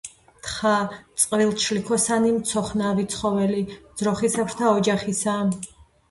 თხა წყვილჩლიქოსანი მცოხნავი ცხოველი ძროხისებრთა ოჯახისა.